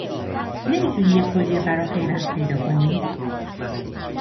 نمی تونی یه کلیه برا پیوند پیدا کنی؟